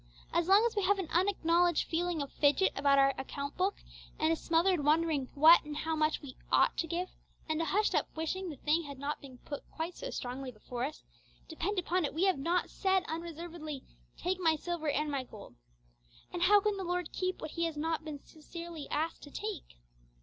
As long as we have an unacknowledged feeling of fidget about our account book, and a smothered wondering what and how much we 'ought' to give, and a hushed up wishing the thing had not been put quite so strongly before us, depend upon it we have not said unreservedly, 'Take my silver and my gold.' And how can the Lord keep what He has not been sincerely asked to take?